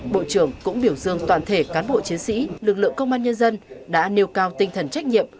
bộ trưởng cũng biểu dương toàn thể cán bộ chiến sĩ lực lượng công an nhân dân đã nêu cao tinh thần trách nhiệm